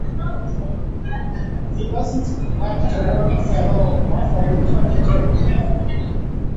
He doesn't have to work at all on the twenty-third.